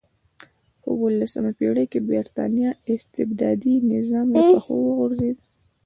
په اولسمه پېړۍ کې برېټانیا استبدادي نظام له پښو وغورځېد.